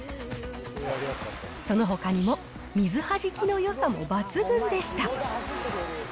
そのほかにも、水弾きのよさも抜群でした。